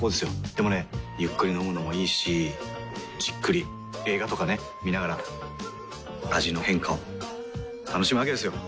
でもねゆっくり飲むのもいいしじっくり映画とかね観ながら味の変化を楽しむわけですよ。